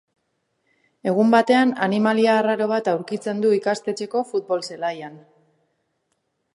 Egun batean animalia arraro bat aurkitzen du ikastetxeko futbol zelaian.